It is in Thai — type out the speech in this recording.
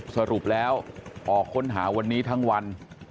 สรุปแล้วออกค้นหาวันนี้ทั้งวัน